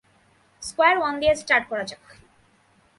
Square one দিয়ে start করা যাক।